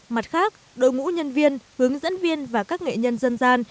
mặt khác đội ngũ nhân viên hướng dẫn viên và các nghệ nhân dân gian